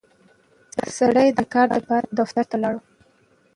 سړی د کار لپاره دفتر ته ولاړ